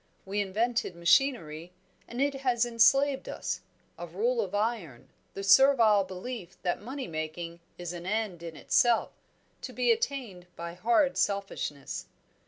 We invented machinery, and it has enslaved us a rule of iron, the servile belief that money making is an end in itself, to be attained by hard selfishness."